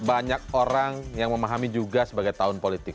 banyak orang yang memahami juga sebagai tahun politik